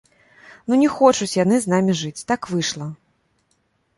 Ну, не хочуць яны з намі жыць, так выйшла!